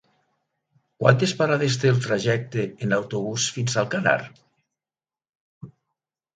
Quantes parades té el trajecte en autobús fins a Alcanar?